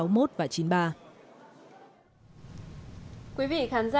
earth là trên đời trẻ làng